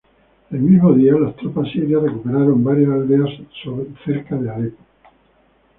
El mismo día, las tropas sirias recuperaron varias aldeas cerca de Alepo.